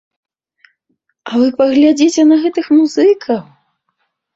А вы паглядзіце на гэтых музыкаў!